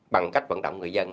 bằng cách vận động người dân